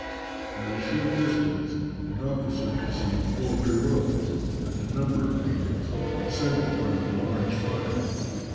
"At a short distance an officer perceived four pirogues and a number of natives, assembled round a large fire.